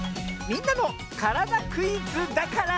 「みんなのからだクイズ」だから。